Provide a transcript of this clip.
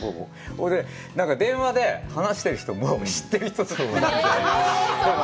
それで、電話で話してる人も知ってる人で。